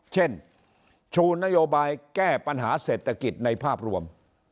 ชูนโยบายแก้ปัญหาเศรษฐกิจในภาพรวม